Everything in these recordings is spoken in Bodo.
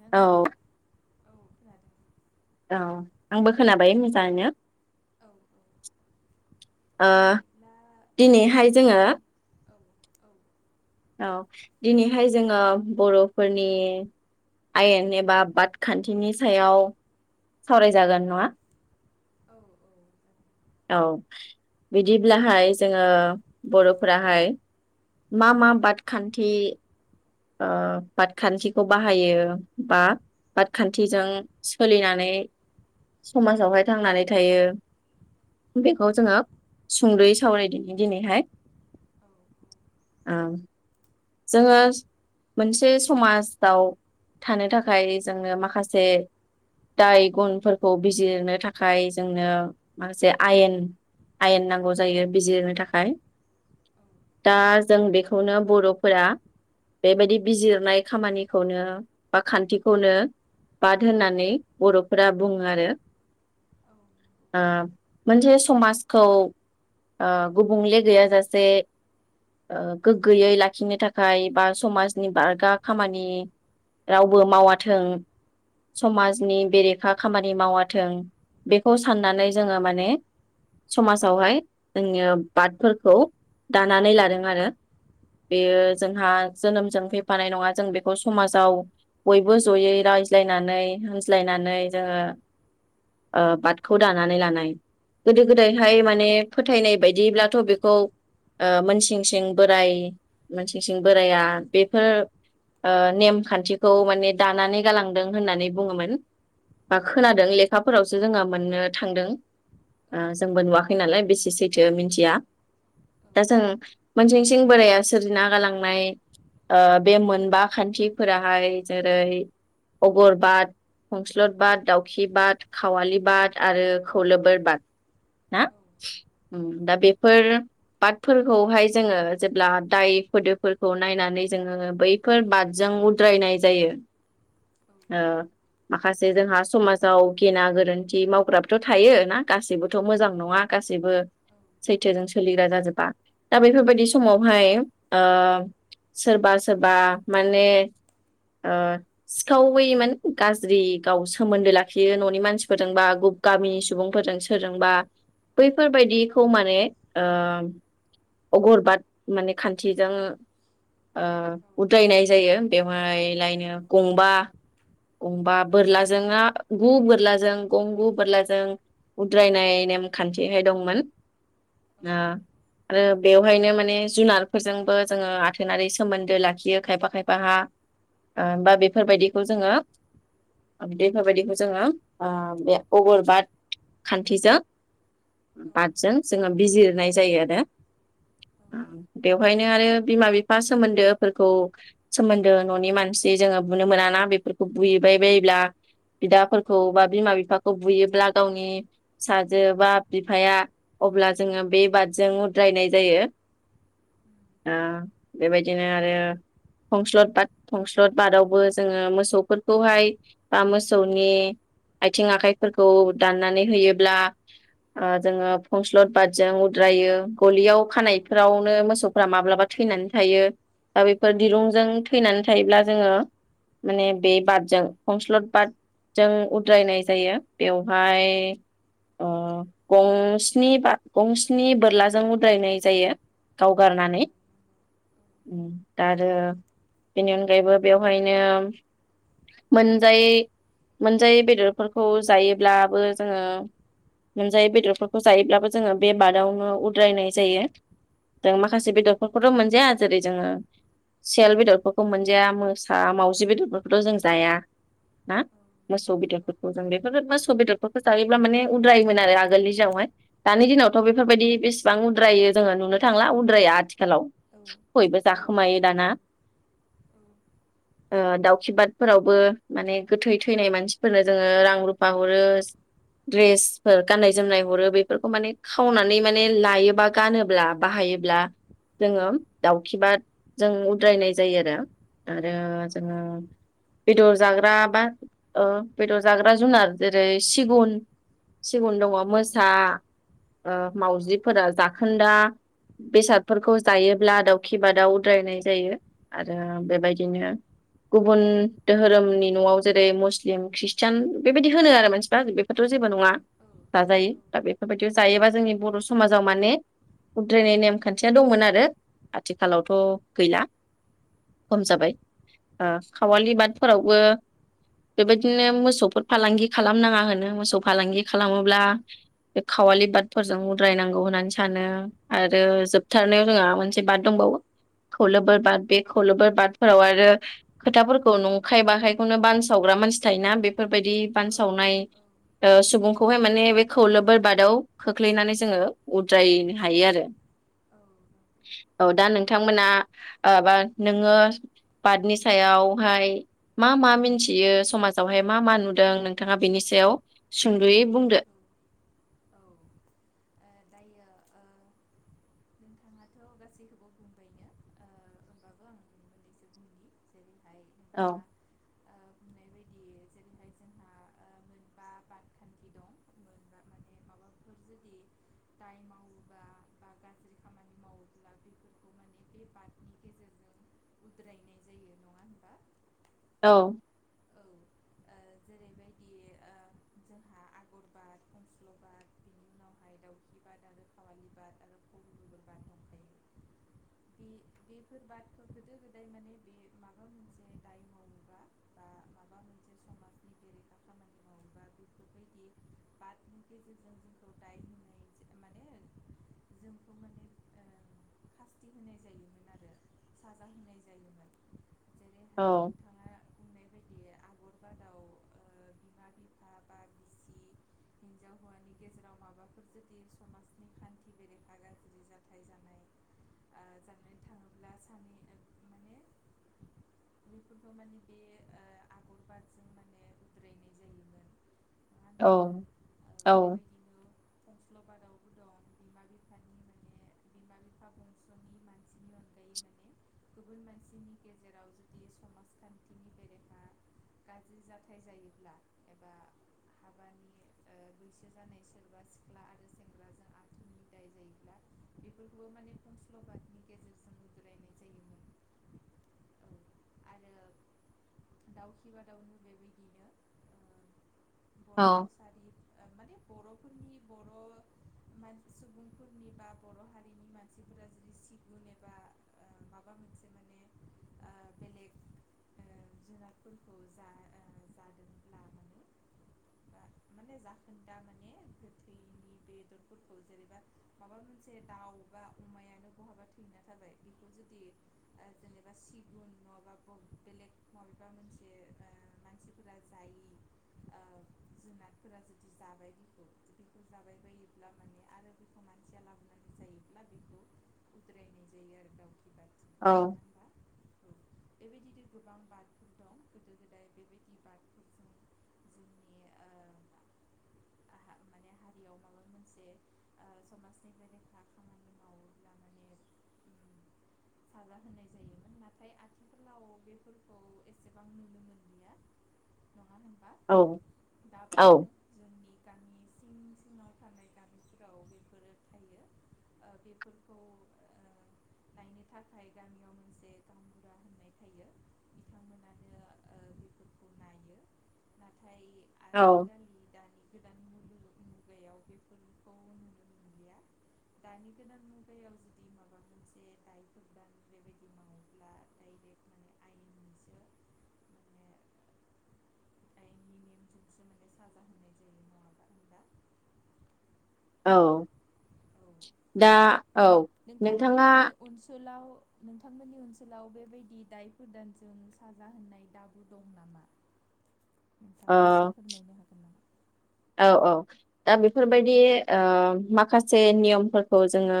ना औ नोंथां औ खोनादों। औ आंबो खोनाबाय मोजाङैनो। औ ओ बिदिब्ला जों दिनैहाय जोङो। दि औ औ औ दिनैहाय जोङो बर'फोरनि आयेन एबा बाद खान्थिनि सायाव सावरायजागोन नङा। औ औ औ बिदिब्लाहाय जोङो बर'फोराहाय मा औ मा बाद खान्थि बादखान्थिखौ बाहायो बा बादखान्थिजों सोलिनानै समाजावहाय थांनानै थायो औ बेखौ जोङो सुंद'यै सावरायदिनि दिनैहाय- औ नंगौ औ औ नंगौ औ नंगौ औ नंगौ औ नंगौ औ नंगौ औ जोङो मोनसे समाजाव थानो थाखाय जोंनो माखासे दाय गुनफोरखौ बिजिरनो थाखाय जोंनो माखासे आयेन आयेन नांगौ जायो बिजिरनो थाखाय दा जों बेखौनो बर' फोरा बेबायदि बिजिरनाय खामानिखौनो बा खान्थिखौनो बाद होननानै बर'फोरा बुङो आरो ओ। मोनसे समाजखौ गुबुंले गैयाजासे ओ गोग्गोयै ला लाखिनो थाखाय बा समाजनि बारगा खामानि रावबो मावाथों समाजनि बेरेखा खामानि मावाथों बेखौ साननानै जोङो माने समाजावहाय जोङो बादफोरखौ दानानै लादों आरो बेयो जोंहा जोनोमजों फैफानाय नङा जों बेखौ समाजाव बयबो जयै रायज्लायनानै होनज्लायनानै जोङो ओ बादखौ दानानै लानाय गोदो गोदायहाय माने फोथायनाय बायदिब्लाथ' बेखौ मोनसिं सिं बोराय मोन सिं सिं बोराया बेफोर ओ नेमखान्थिखौ माने दानानै गालांदों होननानै बुङोमोन बा खोनादों लेखाफोरावसो जोंहा मोननो थांदों जोंबो नुवाखै नालाय बेसे सैथो मिथिया दा जों मोनसिं सिं बोराया सोरजिना गालांनाय बे मोनबा खान्थिफोराहाय जेरै अगरबाद खंस्लद बाद दाउखि बाद खावालि बाद आरो खलोबोर बाद ना दा बेफोर बादफोरखौहाय जोङो जेब्ला दाय फोदोफोरखौ नायनानै जोङो बैफोर बादजों उद्रायनाय जायो ओ माखासे जोंहा समाजाव गेना गोरोन्थि मावग्राबोथ' थायो ना गासैबो थ' मोजां नङा गासैबो सैथोजों सोलिग्रा जाजोबा दा बेफोरबायदि समावहाय ओ सोरबा सोरबा माने ओ सिखावै माने गाज्रि गाव सोमोन्दो लाखियो न'नि मानसिफोरजोंबा गामिनि सुबुंफोरजों सोरजोंबा बैफोरबायदिखौ माने अगरबाद माने खान्थिजों उद्रायनाय जायो बेवहाय लायनो गंबा गंबा बोरलाजो ना गु बोरलाजों गं गु बोरलाजों उद्रायनाय नेमखान्थिहाय दंमोन ना आरो बेवहायनो माने जुनार फोरजोंबो जोङो आथोनारि सोमोन्दो लाखियो खायफा खायफ हा ब बा बेफोरबायदिखौ जोङो बेफोरबायदिखौ जोङो बे अगर बाद खान्थिजों औ औ बादजों जोङो बिजिरनाय जायो आरो बेवहायनो आरो बिमा बिफा सोमोन्दोफोरखौ सोमोन्दो न'नि मानसि जोङो बुनो मोनाना बेफोरखौ बुयैबाय बायोब्ला बिदाफोरखौ बा बिमा बिफाखौ बुयोब्ला गावनि फिसाजो बा बिफाया अब्ला जोङो बे बादजों उद्रायनाय जायो बेबायदिनो आरो फंस्लद बाद फंस्लद बादावबो जोङो मोसौफोरखौहाय बा मोसौनि आथिं आखाइफोरखौ दाननानै होयोब्ला जोङो फंस्लद बादजों उद्रायो गलियाव खानायफोराव नो मोसौफ्रा माब्लाबा थैनानै थायो दा बेफोर दिरुंजों थैनानै थायोब्ला जोङो माने बे बादजों खंस्लद बादजों उद्रायनाय जायो बेवहाय गंस्नि बाद गंस्नि बोरलाजों उद्रायनाय जायो गावगारनानै दा आरो बेनि अनगायैबो बेवहायनो मोनजायै मोनजायै बेदरफोरखौ जायोब्लाबो जोङो मोनजायै बेदरफोरखौ जायोब्लाबो जोङो बे बादावनो उद्रायनाय जायो जों माखासे बेदरफोरखौथ' मोनजाया जेरै जोङो सेल बेदरफोरखौ मोनजाया मोसा मावजि बेदरफोरखौथ' जों जाया ना मोसौ बेदरफोरखौ जों बेफोर मोसौ बेदरफोरखौ जायोब्ला माने उद्रायोमोन आरो आगोलनि जावहाय दानि औ दिनावथ' बेफोरबायदि नंगौ बेसेबां उद्रायो जों नुनो थांला उद्राया आथि खालाव औ बयबो औ जाखोमायो नंगौ दाना। नंगौ औ ओ दाउखि बादफोरावबो माने गोथै थैनाय मानसिफोरनो जोङो रां रुफा हरो द्रेसफोर गाननाय जोमनाय हरो बेफोरखौ माने खावनानै माने लायोबा गानोब्ला बाहायोब्ला जोङो औ दाउखिबाद जों उद्रायनाय जायो आरो आरो जोङो नंगौ बेदर जाग्रा बा ओ बेदर जाग्रा जुनार जेरै सिगुन सिगुन दङ औ मोसा ओ मावउजिफोरा जाखोन्दा बेसादफोरखौ जायोब्ला दाउखि बादावद्रायनाय जायो आरो बेबायदिनो गुबुन धोरोमनि न'आव जेरै मुस्लिम ख्रिस्टियान बेबायदि होनो आरो मानसिफ्रा बेफोरथ' जेबो नङा। औ जाजायो दा बेफोरबायदियाव जायोबा जोंनि बर'समाजाव माने उद्रायनाय नेम खान्थिया दंमोन आरो आथिखालावथ' गैला खम जाबाय ओ खावालि बादफोरावबो बेबायदिनो मोसौफोर फालांगि खालामनाङा होनो मोसौ फालांगि खालामोब्ला बे खावालि बादफोरजों उद्रायनांगौ होननानै सानो आरो जोबथारनायाव जोंहा मोनसे बाद दंबावो खौलोबोर बाद बे खौलोबोर बादफोराव आरो खोथाफोरखौ नंखाय बाखायखौनो बानसावग्रा मानसि थायोना बे फोरबायदि बानसावनाय ओ सुबुं खौहाय माने बे खौलोबोर बादाव खोख्लैनानै जोङो उद्रायनो हायो आरो। नंगौ औ दा नोंथांमोना ओ बा नोङो बादनि सायावहाय मा मा मोनथियो समाजावहाय मा मा नुदों नोंथाङा बेनि सायाव सुंदुयै बुंदो। औ औ ओ दायो ओ नोंथाङाथ' गासैखौबो बुंबायनो ओ होनबाबो आं बे मोननैसो बुंनि जेरै ओमफाय औ नोंथाङा ओ बुंनाय बायदि जेरैहाय जोंहा ओ मोनबा बादखान्थि दं मोनबा माने माबाफोर जुदि दाय मावोबा बा गाज्रि खामानि मावोब्ला बेफोरखौ माने बे बादनि गेजेरजों उद्रायनाय जायो नङा होनबा? औ। औ जेरैबायदि ओ जोंहा आगर बाद खंस्ल' बाद बिनि उनावहाय दाउखि बाद आरो खावालि बाद आरो खर बिग बाद दंखायो बे बेफोर बादखौ गोदो गोदाय माने बे माबा मोनसे दाय मावोबा बा माबा मोनसे समाजनि बेरेखा खामानि मावोबा बेफोरबायदि बादनि गेजेरजों जोंखौ दाय होनाय माने जोंखौ माने ओ खास्थि होनाय जायोमोन आरो साजा होनाय जायोमोन जे औ। बेबायदि आगर बादाव ओ बिमा बिफा बा बिसि हिनजाव हौवानि गेजेराव माबाफोर जुदि समाजनि खान्थि बेरेखा गाज्रि जाथाय जानाय ओ जानानै थाङोब्ला सानै माने बेफोरखौ माने बे ओ आगर बादजों माने उद्रायनाय जायोमोन। नङा औ होनबा ओ औ। बेबायदिनो फंस्ल' बादावबो दं बिमा बिफानि माने बिमा बिफा बंस'नि मानसिनि अनगायै माने गुबुन मानसिनि गेजेराव जुदि समाजखान्थि बिनि बेरेखा गाज्रि जाथाय जायोब्ला एबा हाबानि ओ बैसो जानाय सोरबा सिख्ला आरो सेंग्राजों आथुनि दाय जायोब्ला बेफोरखौबो माने फंस्ल'बादनि गेजेरजों उद्रायनाय जायोमोन औ आरो दाउखि बादाउनो बेबायदिनो ओ औ बर' कसारि ओ माने बर' फोरनि बर' सुबुंफोरनि बा बर' हारिनि मानसिफोरा जुदि सिगुन एबा ओ माबा मोनसे माने ओ बेलेग ओ जुनारफोरखौ जा ओ जादोंब्ला माने माने जाखोनदा माने गोथैनि बेदरफोरखौ जेनेबा माबा मोनसे दाउ बा अमायानो बहाबा थैना थाबाय बेखौ जुदि ओ जेनेबा सिगुन नङाबा बेलेग माबेबा मोनसे ओ मानसिफोरा जायि ओ जुनारफोरा जुदि जाबाय बेखौ बेखौ जाबाय बायोब्ला माने आरो बेखौ मानसिया लाबोनानै जायोब्ला बेखौ उद्रायनाय जायो आरो दाउखे बार। औ। बेबायदि गोबां बादफोर दं गोदो गोदाय बेबायदि बादफोरजों जोंनि ओ माने हारियाव माबा मोनसे ओ समाजनि बेरेखा खामानि मावोब्ला माने ओ साजा होनाय जायोमोन नाथाय आथिखालाव बे फोरखौ एसेबां नुनो मोनलिया मानो होनबा औ दाबो दं जोंनि गामि सिं सिङाव थानाय गामिफोराव बेफोरो थायो ओ बेफोरखौ ओ नायनो थाखाय गामियाव मोनसे गांबुरा होननाय थायो। बिथांमोनानो ओ बेफोरखौ नायो ना थाय औ आजिखालि दानि गोदान मुलु मुगायाव बेफोरखौ नुनो मोनलिया दानि गोदान मुगायाव जुदि माबा मोनसे दायफोर दान बेबायदि मावोब्ला डाइरेक्ट माने आयेननिसो निनिम [unintelligible] साजा होननाय जायो नङाबा [unintelligible] औ। औ दा औ नोंथाङा नो-नोंथांमोननि ओनसोलाव नोंथांमोननि ओनसोलाव बेबायदि दायफोरदानजों साजा होननाय दाबु दं नामा? नोंथाङा ओ एसे फोरमायनो हागोन नामा औ औ दा बेफोरबायदि ओह माखासे नियमफोरखौ जोङो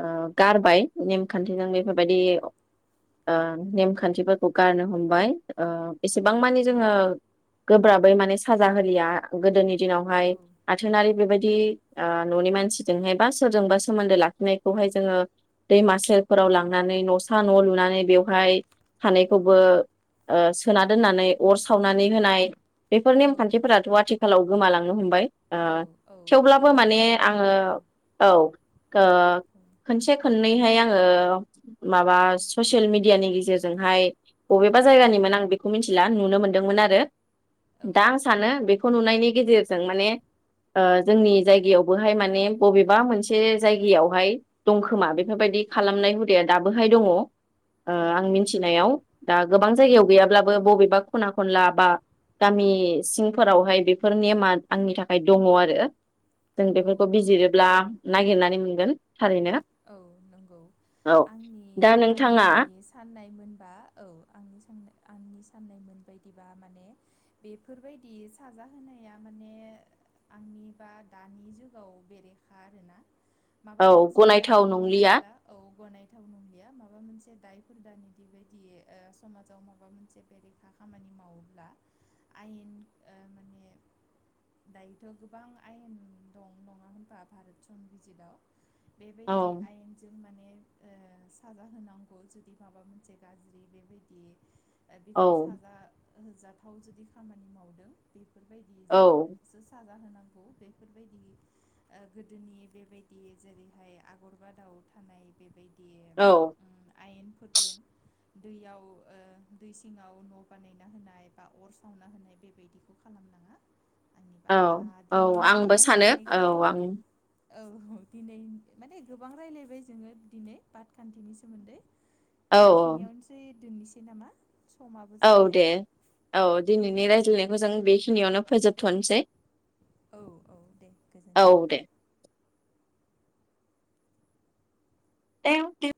ओह गारबाय माने खान्थिनाङै फोरबायदि औ ओह नेमखान्थिफोरखौ गारनो हमबाय ओह एसेबां मानि जोङो गोब्राबै माने साजा होलिया गोदोनि दिनावहाय आथोनारि बेबायदि बि ओह न'नि मानसिजोंहाय बा सोरजोंबा सोमोन्दो लाखिनायखौहाय जोङो दैमासेरफोराव लांनानै न'सा न' लुनानै बेवहाय औ सानैखौबो ओह सोना दोननानै अर सावनानै होनाय। बेफोर औ नेमखान्थिफोराथ' आथि आथिखालाव गोमालांनो हमबाय। औ ओह औ बियो थेवब्लाबो माने गोदोसो आङो दंमोन औ ओह खनसे खन दिनैहाय आङो माबा ससियेल मिडियानि गेजेरजोंहाय। बबेबा औ जायगानिमोन आं बेखौ मिथिला। आं नुनो मोन्दोंमोन आरो। दा आं सानो बेखौ खौ नुनायनि गेजेरजों माने ओह जोंनि जायगायाव बोहाय माने बबेबा मोनसे जायगायावहाय दं खोमा बेफोरबायदि खालामनाय हुद दे दाबोहाय दङ। ओह आं मिथिनायाव दा गोबां औ जायगायाव गैयाब्लाबो बबेबा खना खनला बा गामि सिंफोराव ओमफ्राय बेफोर नेमा आंनि थाखाय दङ आरो। जों औ बेफोरखौ औ बिजिरोब्ला नंगौ नागिरनानै मोनगोन। थारैनो औ नंगौ औ। आंनि दा नोंथाङा आंनि साननायमोनबा औ आंनि साननाय आंनि [inaudible] सान्नाय मोन बायदिबा माने बेफोरबायदि साजा होनोनाया माने आंनि बा दानि जुगाव बेरेखा आरोना? [inaudible] माबा औ मोनसे [inaudible] गनायथाव दायो नंलिया मावोब्ला औ गनाय। [inaudible] गोथाव नंलिया माबा मोनसे दाय हुदानिदि बायदिय ओह समाजाव माबा मोनसे बेरेखा खामानि मावोब्ला आयेन ओह माने दायोथ' गोबां आयेन दं नङा होनबा भारत संबिजितआव [inaudible] औ बेबायदि आयेनजों माने साजा होनांगौ जुदि माबा मोनसे गाज्रि बेबायदि औ बेखौ साजा [unintelligible] ओ जाथाव जुदि खामानि मावदों बे [unintelligible] बेफोरबायदि औ जोंसो साजा होनांगौ [unintelligible] आंखौ बेफोरबायदि ओ गोदोनि बेबायदि जेरै फाय आगरबा दाउ थानाय बेबायदि [inaudible] औ। उम आयेनफोरदों दैयाव ओ दै सिङाव न बानायना होनाय बा अर सावना होनाय बेबायदिखौ खालामनाङा [inaudible] औ आ औ दिनैनि आंबो सानो औ रायलायनायखौ आं औ दिनै [unintelligible] माने गोबां रायलायबाय जोङो दिनै पाटखान्थिनि सोमोन्दै औ [unintelligible] बेखिनियावनोसै। दोननोसै नामा? समाबो औ जाबाय दे औ दिनैनि रायज्लायनायखौ जों बेखिनियावनो फोजोबथनोसै औ औ दे औ गोजोन्थों दे टेउ टेउ